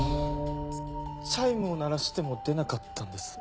チャイムを鳴らしても出なかったんです。